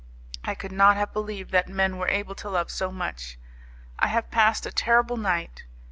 I could not have believed that men were able to love so much. I have passed a terrible night.